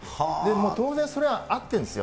当然、それは合ってるんですよ。